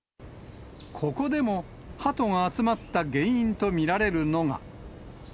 ここでもハトが集まった原因と見られるのが。